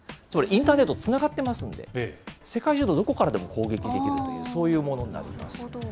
つまりインターネットつながってますんで、世界中のどこからでも攻撃できるという、そういうものになります。